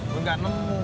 gue gak nemu